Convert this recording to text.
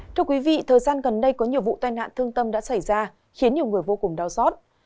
thưa quý vị thời gian gần đây có nhiều vụ tai nạn thương tâm đã xảy ra khiến nhiều người vô cùng đau xót